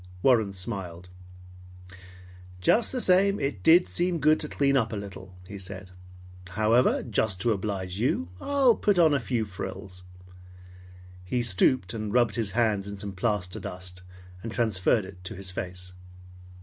Warren smiled. "Just the same, it did seem good to clean up little," he said. "However, just to oblige you I'll put on a few frills." He stooped and rubbed his hands in some plaster dust, and transferred it to his face.